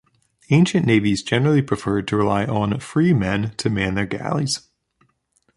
Ancient navies generally preferred to rely on free men to man their galleys.